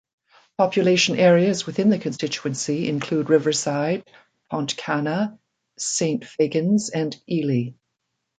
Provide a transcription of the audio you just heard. Population areas within the constituency include Riverside, Pontcanna, Saint Fagans and Ely.